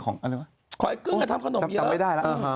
ของกึ้งแกทำขนมเยอะ